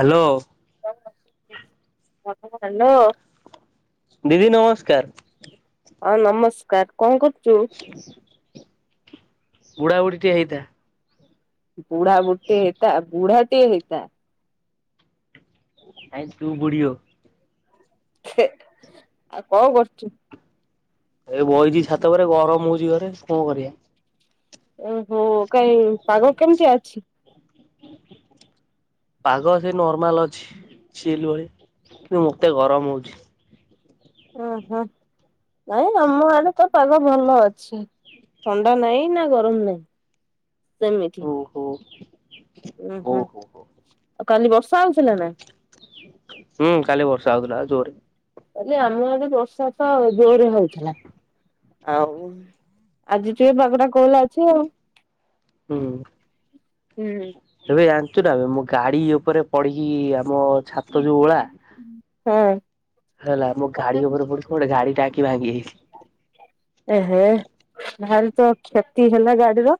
Hello. Hello. ଦିଦି ନମସ୍କାର୍। ହଁ ନମସ୍କାର୍ କଣ କରୁଚୁ। ବୁଢ଼ାବୁଢ଼ୀ ଟିଏ ହେଇଥା। ବୁଢ଼ାବୁଢ଼ୀ ଟେ ହେଇଥା। ବୁଢ଼ା ଟିଏ ହେଇଥା। ନାଇ ତୁ ବୁଢ଼ୀ ହୋ। ଆଉ କଣ କରୁଚୁ। ଏ ବଇଚି ଛାତ ଉପରେ ଗରମ ହଉଛି ଘରେ କଣ କରିବା। ଓ ହୋ କାଇଁ ପାଗ କେମିତିଆ ଅଛି। [unintelligible] ପାଗ ସେ ନର୍ମାଲ ଅଛି ଚିଲ୍ ଭଳି କିନ୍ତୁ ମତେ ଗରମ ହଉଚି। ଓ ହୋ ନାଇଁ ଆମ ଆଡେ ତ ପାଗ ଭଲ ଅଛି। ଥଣ୍ଡା ନାହିଁ ନା ଗରମ ନାହିଁ ସେମିତି। ଓହୋ ଉ ହଉ ହୁଁ ହଉ ହଉ। ଆଉ କାଲି ବର୍ଷା ହଉ ହୁଁ କାଲି ବର୍ଷା ହଉଥିଲା ପା ଜୋରେ। କାଲି ଆମ ଆଡେ ବର୍ଷା ତ ଜୋରେ ହଉଥିଲା। ଆଉ ଆଜି ଠୁ ଏ ପାଗ ଟା କୋହଲା ଅଛି ଆଉ। ହୁଁ ହୁଁ ଏବେ ଆ ଆଠୁଟାବେ ମୋ ଗାଡି ଉପରେ ପଡିକି ଆମ ଛାତ ଯୋଉ ଓଳା ହଁ। ହେଲା ମୋ ଗାଡି ଉପରେ ପଡିକି ଗୋଟେ ଗାଡି ଟାଙ୍କି ଭାଙ୍ଗି ଯାଇଛି। ଏ ହେ ଭାରି ତ କ୍ଷତି ହେଲା ଗାଡିର।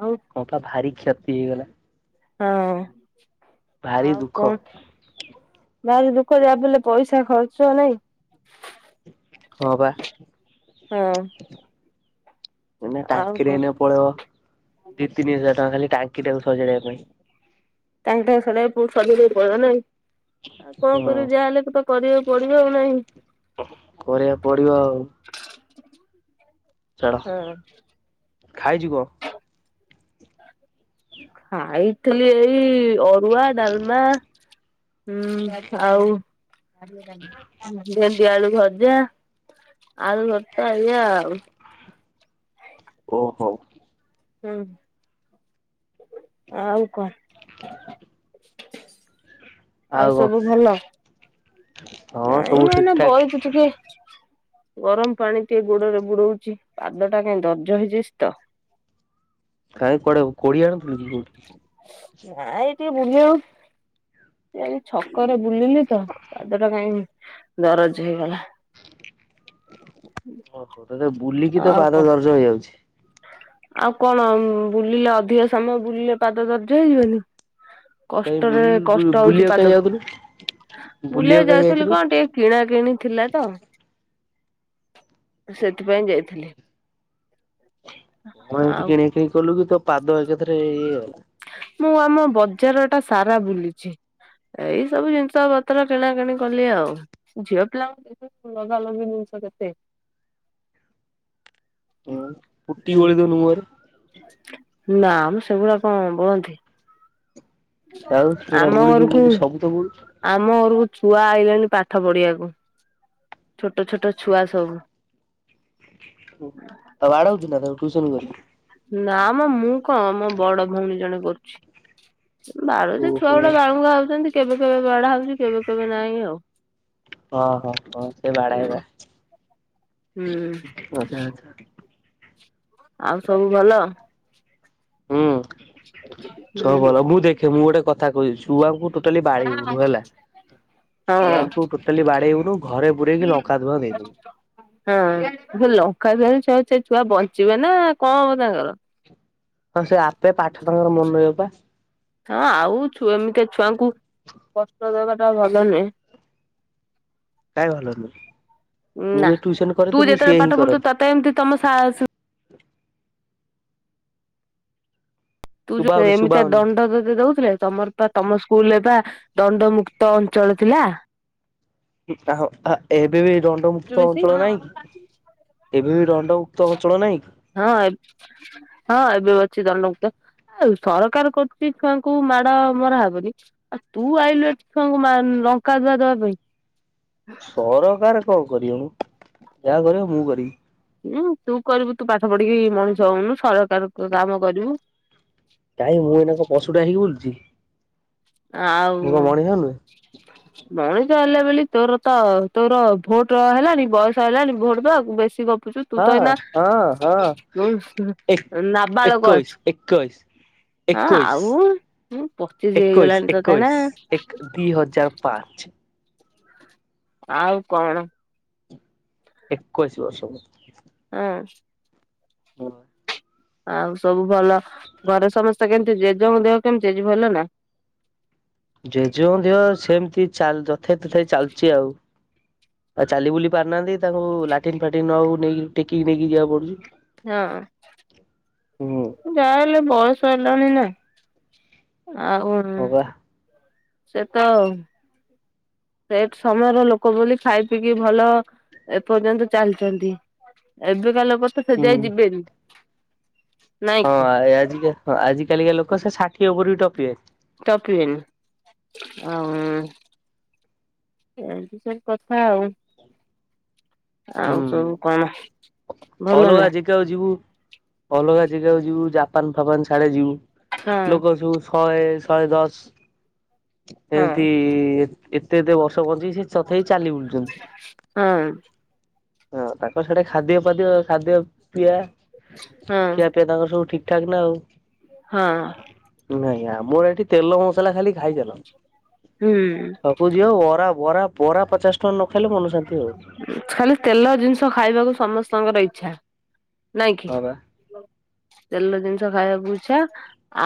ଆଉ ହଁ ପା ଭାରି କ୍ଷତି ହେଇଗଲା। ହଁ। ଭାରି ଆଉ ଦୁଃଖ କଣ ଯାହେଲେ ଦୁଃଖ ଯାହାବି ହେଲେ ପଇସା ଖର ଚ ନାଇ ହଁ ବା ହଁ। ଏଇନା ଆଉ ଟାଙ୍କିରେ କଣ ଏଇନା ପଳେଇବ। ଦି ତିନି ହଜାର ଟଙ୍କା ଖାଲି ଟାଙ୍କି ଟାକୁ ସଜାଡିବା ପାଇଁ। ତାଙ୍କ ତାଙ୍କ ସଜଡି ସଜାଡି ବାକୁ ପଡିବ ନାଇଁ। ଆ କଣ ହୁଁ କରିବି ଯାହାହେଲେ ବି ତ କରିବାକୁ ପଡିବ ଆଉ ନାହିଁ। କରିବାକୁ ପଡିବ ଆଉ। ହଁ। ଖାଇଯିବ। ଖାଇଥିଲି ଏଇ ଅରୁଆ ଡାଲମା। ହୁଁ ଆଉ ଭେଣ୍ଡିଆଳୁ ଭଜା। ଆଳୁ ଭରତା ଏଇଆ ଆଉ। ଓ ହୋ। ହୁଁ। ଆଉ କ ଆଉ ସବୁ ଭଲ ହଁ ନାଇଁ ସବୁ ମୁଁ ଠିକ ଏଇନା ଠାକ। ବଇଚି ଟିକେ। ଗରମ ପାଣି ଟିକେ ଗୋଡରେ ବୁଡଉଚି। ପାଦ ଟା କାଇ ଦର୍ଜ ହେଇଯାଇଚି ତ। [inaudible] କାଇଁ କୁଆଡେ କୋଡି ଆଣୁଥିଲୁ କି କୋଉଠି? ନା ଏଇ ଟିକେ ବୁଲୁ ଏଇ ଛକରେ। ବୁଲିଲି ତ ପାଦ ଟା କାଇଁ ଦରଜ ହେଇଗଲା। ଓହୋ ତ ବୁଲିକି ତୋ ଆଉ ପାଦ କଣ ଦରଜ ହେଇଯାଉଚି। ଆଉ କଣ ବୁଲିଲେ ଅଧିକ ସମୟ ବୁଲିଲେ ପାଦ ଦର୍ଜ ହେଇଯିବନି। କାଇଁ ବୁଲ କଷ୍ଟରେ କଷ୍ଟ ହଉଚି ବୁଲିବାକୁ କାଇଁ ପାଦକୁ। ଯାଉଥିଲୁ ବୁଲିବାକୁ ବୁଲିଆକୁ କାଇଁ ଯାଉଥିଲି ଯାଇଥିଲୁ? କଣ ଟିକେ କିଣା କିିଣି ଥିଲା ତ। ସେଥିପାଇଁ ଯାଇଥିଲି। କଣ ଏମିତି ଆଉ କିଣ କିଣି କଲୁ କି ତୋ ପାଦ ଏକାଥରେ ଇଏ ହେଲା? ମୁଁ ଆମ ବଜାର ଟା ସାରା ବୁଲିଛି। ଏଇ ସବୁ ଜିନିଷ ପତ୍ର କିଣା କିିଣି କଲି ଆଉ ଝିଅ ପିଲାଙ୍କୁ ଲଗାଲଗି ଜିନିଷ କେତେ ହ ପୁଟି ବଳି ଦଉନୁ ମୁଁହରେ ନା ମୁଁ ସେଗୁଡା କଣ ବୋଳନ୍ତି। ଆଉ ପୁରା ଆମ ବୋଳିକି ଘରକୁ ବୁଲିଲୁ ସବୁ ତ ବୋଳୁଛୁ। ଆମ ଘରକୁ ଛୁଆ ଆଇଲେଣି ପାଠ ପଢିବାକୁ, ଛୋଟ ଛୋଟ ଛୁଆ ସବୁ। ଆଉ ବାଡ଼ଉଛୁ ନା ତାକୁ ଟୁସନ କରିକି ନା ମ ମୁଁ କଣ ମୋ ବଡ ଭଉଣୀ ଜଣେ କରୁଛି ବାଳୁତ ଓହୋ ଛୁଆ ହଁ ଗୁଡା ବାଳୁଙ୍ଗା ହଉଛନ୍ତି, କେବେ କେବେ ବଡା ହଉଛି କେବେ କେବେ ନାହିଁ ଆଉ। ହଁ ହଁ ହଁ ସେ ହୁଁ ବାଡେଇବା ହୁଁ ଆଛା ଆଛା। ଆଉ ସବୁ ଭଲ? ହୁଁ। ସବ ହୁଁ ଭଲ ମୁଁ ଦେଖେ ମୁଁ ଗୋଟେ କଥା କହୁଛିି, ଛୁଆଙ୍କୁ ଟୋଟାଲି ବାଡେଇ ବୁନୁ ହେଲା ହଁ। ଛୁଆଙ୍କୁ ଟୋଟାଲି ବାଡେଇବୁନୁ ଘରେ ପୁରେଇକି ଲଙ୍କା ଧୁଆ ଦେଇଦବୁ। ହଁ ସେ ଲଙ୍କଧୁଆ ସେ ଛୁଆ ବଞ୍ଚିବେ ନା କଣ ହବ ତାଙ୍କର? ହଁ ସେ ଆପେ ପାଠ ତାଙ୍କର ମନ ରହିବ ପା। ହଁ ଆଉ ଏମିତି ଛୁଆଙ୍କୁ କଷ୍ଟ ଦବା ଟା ଭଲ ନୁହେଁ। କାଇ ଭଲ ନୁହଁ? ମୁଁ ନା। ଯଦି ଟ୍ୟୁସନ କରେ ତୁ ତ ମୁଁ ଯେତେବେଳେ ସିଏୟା ପାଠ ହିଁ ପଢୁଥିଲୁ ତତେ ଏମିତି ତମ ସା କରନ୍ତି। ତୁ ଶୁଭା ଯୋଉ ହଉନି ଶୁଭା ଏମିତି ହଉନି ଦଣ୍ଡ ଦଉଥିଲେ ତମର ତମ ସ୍କୁଲରେପା ଦଣ୍ଡମୁକ୍ତ ଅଞ୍ଚଳ ଥିଲା। ଆ ଏବେ ବି ଦଣ୍ଡମୁକ୍ତ [unintelligible] ହଁ ଅଞ୍ଚଳ ନାହିଁ କି ଏବେ ବି ଦଣ୍ଡମୁକ୍ତ ଅଞ୍ଚଳ ନାହିଁ କି? ହଁ। ଅଛି ଦଣ୍ଡ ଆଉ ସରକାର କରୁଛି ଛୁଆଙ୍କୁ ମାଡ ମରାହବନି ଆଉ ତୁ ଲଙ୍କା ଧୁଆ ଦବା ପାଇଁ। ସରକାର କଣ କରିବମ ଯାହା କରିବ ମୁଁ କରିବି। ତୁ କରିବୁ ତୁ ପାଠ ପଢିକି ମଣିଷ ହଉନୁ ସରକାର କାମ କରିବୁ। କାଇଁ ମୁଁ ଏଇନା କଣ ପଶୁଟା ହେଇକି ବୁଲୁଛି। ଆଉ ମୁଁ କଣ ମଣିଷ ନୁହେଁ ମଣିଷ ହେଲା ବୋଲି ତୋର ତ ତୋର ଭୋଟ ହେଲାଣି ବୟସ ହେଲାଣି ଭୋଟ ଦବା ବେଶୀ ପୁଛୁ ତୁ ତ ହଁ ଏନା ହଁ ହଁ ଏକ ନାବାଳକ ଅଛୁ। ଏକୋଇଶ ଏକୋଇଶ ହଁ ଏକୋଇଶ। ଆଉଁ ପଚିଯାଇ ଏକୋଇଶ ଏକୋଇଶ ଏକ ଦିଇ ହଜାର ପାଞ୍ଚ ଆଉ କଣ? ଏକୋଇଶ ବର୍ଷ। ହଁ। ହ। ଆଉ ସବୁ ଭଲ ଘରେ ସମସ୍ତେ କେମିତି ଜେଜେଙ୍କ ଦେହ କେମିତି ଭଲ ନା? ଜେଜେକଂ ଦିହ ସେମତି ଯଥେ ତଥ ଚାଲିଛି ଆଉ ଆଉ ଚାଲି ବୁଲି ପାରୁନାହାନ୍ତି, ତାଙ୍କୁ ଲାଟିନ୍ ଫାଟିନ୍ ନଉ ନେଇକି ଟେକିକି ନେଇକି ଯିବା ପଡୁଛି। ହଁ ହୁଁ ଯ ବୟସ ହେଲାଣି ନା, ଆଉ ହଁ ବା ସେ ତ ସେ ସମୟର ଲୋକ ବୋଲି ଖାଇ ପିିଇ କି ଭଲ ଏପର୍ଯ୍ୟନ୍ତ ଚାଲିଛନ୍ତି। ଏବେକା ଲୋକ ତ ସେ ହୁଁ। ଯାଇ ଯିବେନି ନାଇଁ ହଁ କି ଆ ଆ ଆଜି କାଲିକା ଲୋକ ସେ ଷାଠିଏ ଓପରକୁ ବି ଟପିବେ ଟପିବନି ଆଉ ଏମିତିି ସବୁ କଥା ଆଉ ଆଉ ହୁଁ। ସବୁ କଣ? ଭଲ ଅଲଗା ନା ଜିଗାକୁ ଯିବୁ ଅଲଗା ଜିଗାକୁ ଯିବୁ ଜାପାନ ଫାପାନ ସାଡେ ଯିବୁ ହଁ ଲୋକ ସବୁସହେ ଶହେ ଶହେ ଦଶ ହଁ ଏମିତି ଏତେ ଏତେ ବର୍ଷ ବଞ୍ଚକି ସେ ତଥାପି ଚାଲି ବୁଲୁଛନ୍ତି । ହଁ ହଁ ତାଙ୍କ ସେଟା ଖାଦ୍ୟ ପାଦ୍ୟ ଖାଦ୍ୟ ପିଇଆ ହଁ ଖିଆ ପିଇବା ତାଙ୍କର ସବୁ ଠିକ ଠିକ ଠାକ ନା ଆଉ ହଁ ନାଇଁ ଆମର ଏଠି ତେଲ ମସଲା ଖାଲି ଖାଇଚଲ ହୁଁ ଛକକୁ ଯିବ ବରା ବରା ପରା ପଚାଶ ଟଙ୍କା ନ ଖାଇଲେ ମନଶାନ୍ତି ଖାଲି ତେଲ ଜିନିଷ ଖାଇବାକୁ ସମସ୍ତଙ୍କର ଇଛା । ନାଇଁ କିି? ହଁ ବା। ତେଲ ଜିନିଷ ଖାଇବାକୁ ଇଛା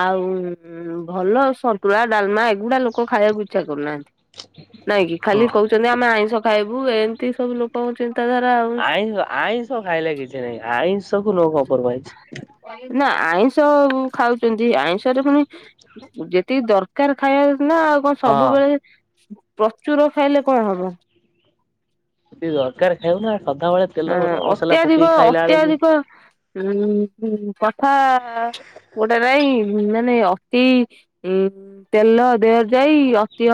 ଆଉ ଭଲ ସନ୍ତୁଳା ଡାଲମା ଗୁଡା ଲୋକ ଖାଇବାକୁ ଇଚ୍ଛା କରୁନାହାନ୍ତି, ନାଇଁ କିି, ହଁ ଖାଲି କହୁଛନ୍ତି ଆମେ ଆଇଁଷ ଖାଇବୁ ଏ ଏଇ ସବୁ ଲୋକ ହଉଛନ୍ତି ଆଇଁଷ, ଆଇଁଷ ଖାଇଲେ କିଛି ନାହିଁ, ଆଇଁଷ କୁ ନୋ କମ୍ପରମାଇଜ୍ । ନା ଆଇଁଷ ଖାଉଛନ୍ତି, ଆଇଁଷରେ ପୁଣି ଯେତିକି ଦରକାର ଖାଇବା ନା ଆଉ କଣ ହଁ। ସବୁବେଳେ ପ୍ରଚୁର ଖାଇଲେ କଣ ହବ? [unintelligible] ଦରକାର ଖାଇବୁନା, ସଦାବେେଳେ ତେଲ ମସଲା ଅତ୍ୟାଧିକ ପକେଇକି ଖାଇଲା ବେଳକୁ ଅତ୍ୟାଧିକ ଉଁ ହୁଁ କଥା, ଗୋଟେ ନାଇଁ ମାନେ ଅତି ଉଁ ତେଲ ଦେହ ଯାଇ ଅତି,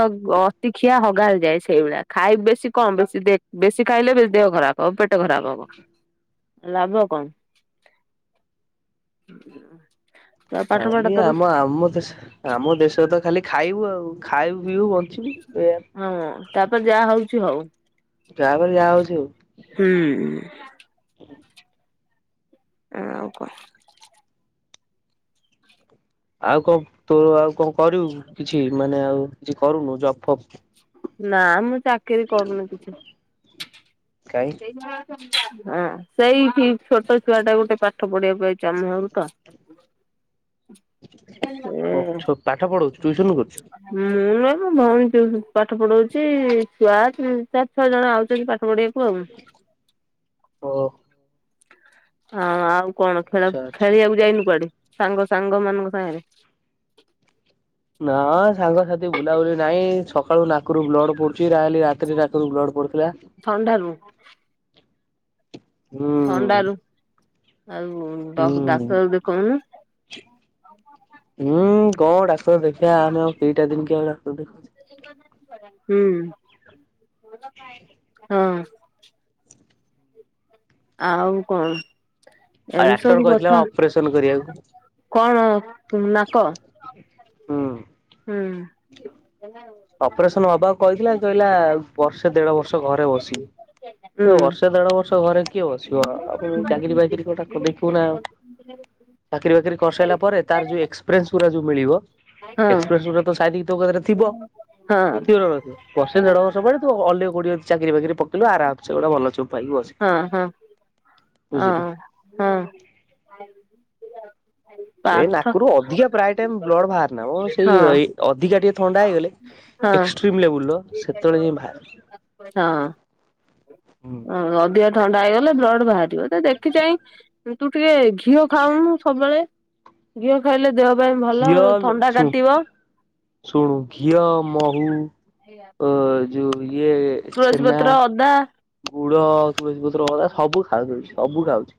ଅତିଖିଆ ହଗାରେ ଯାଏ ସେଇଭଳିଆ, ଖାଇ ବେଶୀ କମ ବେଶୀ ଦେଖ୍, ବେଶୀ ଖାଇଲେ, ଦେହ ଖରାପ ହବ, ପେଟ ଖରାପ ହବ, ଲାଭ କଣ ହ [unintelligible] ଖାଲି ଆମ, ଆମ ଦେଶ, ଆମ ଦେଶରେ ତ ଖାଲି ଖାଇବୁ ଆଉ, ଖାଇବୁ, ପିଇବୁ, ବଞ୍ଚିବୁ । ହଁ ତାପରେ ଯାହା ହଉଛି, ହଉ ଯାପରେ ଯା ହଉଛି ହଉ। ହୁଁ ଆଉ କହ? ଆଉ କଣ ତୋ ଆଉ କଣ କରିବୁ? କିଛି ମାନେ ଆଉ କିଛି କରୁନୁ, ଜପ୍ ଫବ୍ । ନା ମୁଁ ଚାକିରି କରୁନି କିଛି କାଇଁ ହଁ ସେଇ ଛୋଟ ଛୁଆ ଟା ଗୋଟେ ପାଠ ପଢିବାକୁ ଆଇଛି ଆମ ଘରକୁ ତ ଓ ଏ ଛୋ ପାଠ ପଢଉଛୁ ଟିୟୁସନ କରୁଛୁ? ହୁ ନା ମ ଭଉଣୀ ଟୁଇସ ପାଠ ପଢଉଛି ଛୁଆ ଚାରି ଛଅ ଜଣ ଆଉଛନ୍ତି ପାଠ ପଢିବାକୁ ଆଉ [inaudible] ଓ ହଁ ଆଉ କଣ ଖେଳ ଆଚ୍ଛା ଆଚ୍ଛା। ଖେଳିବାକୁ ଯାଇନୁ କୁଆଡେ ସାଙ୍ଗ ସାଙ୍ଗମାନଙ୍କ ସାଙ୍ଗରେ ନା ସାଙ୍ଗସାଥି ବୁଲାବୁଲି ନାହିଁ ସକାଳୁ ନାକରୁ ବ୍ଲଡ ପଡୁଛି ରାଲି ରାତିରେ ନାକରୁ ବ୍ଲଡ ପଡୁ ଥଣ୍ଡାରୁ ହୁଁ ଥଣ୍ଡାରୁ, ଆଉ ଡ ହୁଁ। ଡାକ୍ତର ଦେଖଉନୁ? ହ ହ [unintelligible] ହୁଁ କଣ ଡାକ୍ତର ଦେଖିବା ଆମେ ଆଉ ଦିଟା ଦିନ କି ଆଉ ଡାକ୍ତର ଦେଖଛୁ ହୁଁ ହଁ ଆଉ କଣ, ଆଉ ଏମିତି ଡାକ୍ତର ସବୁ କହିଥିଲା କଥା। ଅପରେସନ କରିବାକୁ ହୁଁ। କଣ ନାକ ହୁଁ । ହୁଁ । ଅପରେସନ ହବାକୁ କହିଥିଲା, କହିଲା ବର୍ଷେ ଦେଢ ବର୍ଷ ଘରେ ବସିବି । ହୁଁ। ବର୍ଷେ, ଦେଢ ବର୍ଷ ଘରେ କିଏ ବସିବ, ଆଉ ଚାକିରି ବାକିରି କଥା ଦେଖିବୁ ନା ଆଉ ଚାକିରି ବାକିରି କରିସାଇଲା ପରେ, ତାର ଯୋଉ ଏକ୍ସପିରିଏନ୍ସ ଗୁରା ଯଉ ମିଳିବ, ହଁ ଏକ୍ସପିରିଏନ୍ସ ଗୁରା କ ହଁ। ଥିବରଥିବ ବର୍ଷେ ହୁଁ ଢ ବର୍ଷ ପଡେ ତୁ ଅଗ କୋଡିଏ ଚାିରି ବାକିରି [unintelligible] ପକେଇିଲୁ ଆରାମସେ ଗୋଟେ ଭଲ ଜବ୍ ପାଇକି ବସି ଓ ହଁ ସେ ପାଠ ନାକରୁ ଅଧିକା ପ୍ରାୟ ଟାଇମ ବ୍ଲଡ ବାହାରେନା ଓ ସେଇ ହଁ ଅଧିକା ଟିକେ ଥଣ୍ଡା ହେଇଗଲେ ହଁ। । ଏକ୍ସ୍ରିମ୍ ଲେବୁଲ ସେତେବେଳେ ଯାଏଁ ବାହାରେ। ହଁ। ହୁଁ। ଅଧିକା ଥଣ୍ଡା ହେଇଗଲେ ବ୍ଲଡ ବାହାରିବ ତ ଦେଖି ଚାଇଁ ତୁ ଟିକେ ଘି ଘିଅ ଖାଉନୁ ସବୁବେଳେ ଘିଅ ଖାଇଲେ ଦେହ ପାଇଁ ଭଲ ଘିଅ ମ ଥଣ୍ଡା କାଟିବ ଶୁନୁ ଶୁଣୁ ଘିଅ ମୋହୁ ଅ ଯୋ ଏ ତୁଳସୀ ଛେନା ପତ୍ର ଅଦା ଗୁଡ ତୁଳସୀ ପତ୍ର ଅଁଳା ସବୁ ଖାଇଦଉଚି ସବୁ ଖାଉଛି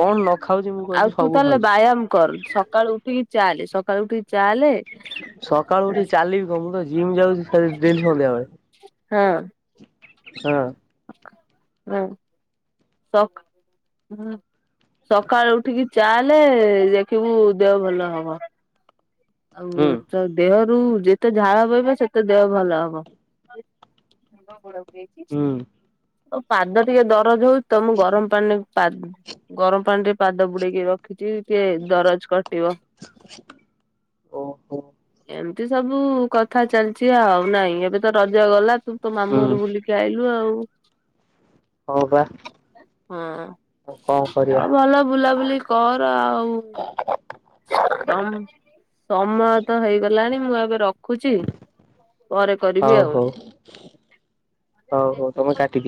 କଣ ନ ଖାଉଛି ମୁଁ ଆଉ କହିଲୁ ତୁ ସବୁ ତାହେଲେ ଖାଉଛି। ବ୍ୟାୟାମ କର୍ ସକାଳୁ ଉଠିକି ଚାଲେ ସକାଳୁ ଉଠିକି ଚାଲେ ସକାଳୁ ଉଠି ଚାଲିବି କଣ ମୁଁ ତ ଜିମ୍ ଯାଉଛି ଡେଲି ସନ୍ଧ୍ୟାବେଳେ [unintelligible] ହଁ ହଁ ହୁଁ ଶଖ ହଁ ସକାଲୁ ଉଠିକି ଚାଲେ ଦେଖିବୁ ଦେହ ଭଲ ହବ ହୁଁ ଆଉ ତ ଦେହ ତୁ ଯେତେ ଝାଳ ବହିବ ସେତେ ଦେହ ଭଲ ହବ ହୁଁ ପାଦ ଟିକେ ଦରଜ ହଉଛି ତ ମୁଁ ଗରମ ପାଣିରେ ପାଦ ଗରମ ପାଣିରେ ପାଦ ବୁଡେଇକି ରଖିଛି ଟିକେ ଦରଜ କଟିବ ଓ ହୋ ଏମିତି ସବୁ କଥା ଚାଲିଛି ଆଉ ନାଇଁ ଏବେ ତ ରଜ ଗଲା ତୁ ତୋ ମାମୁଁ ହୁଁ। ଘରୁ ବୁଲିକି ଆଇୁ ଲୁ ଆଉ ହ ବା ହୁ କଣ କରିବା ହଁ ଭଲ ବୁଲାବୁଲି କର ଆଉ କମ ସମୟ ତ ହେଇଗଲାଣି ମୁଁ ଏବେ ରଖ ରଖୁଛି ପରେ କରିବି ହଉ ଆଉ ହଉ ହଉ ହଉ ତମେ କାଟିଦିଅ।